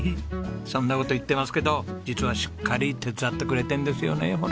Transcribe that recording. そんな事言ってますけど実はしっかり手伝ってくれてるんですよねほら。